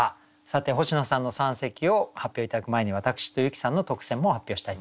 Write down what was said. さて星野さんの三席を発表頂く前に私と由紀さんの特選も発表したいと思います。